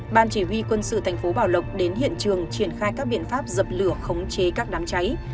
ban chỉ huy quân sự thành phố bảo lộc đến hiện trường triển khai các biện pháp dập lửa khống chế các đám cháy